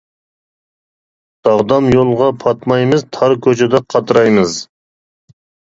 داغدام يولغا پاتمايمىز، تار كوچىدا قاترايمىز.